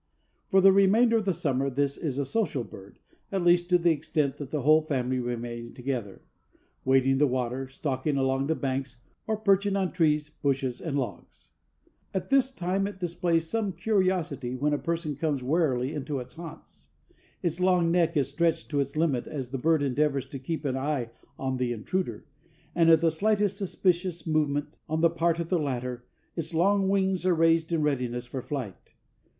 For the remainder of the summer this is a social bird, at least to the extent that the whole family remain together, wading the water, stalking along the banks or perching on trees, bushes and logs. At this time it displays some curiosity when a person comes warily into its haunts. Its long neck is stretched to its limit as the bird endeavors to keep an eye on the intruder, and at the slightest suspicious movement on the part of the latter, its long wings are raised in readiness for flight.